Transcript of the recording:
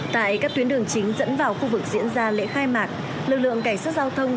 tại các tuyến đường chính dẫn vào khu vực diễn ra lễ khai mạc lực lượng cảnh sát giao thông